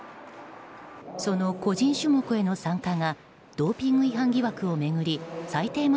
その個人種目への参加がドーピング疑惑を巡り裁定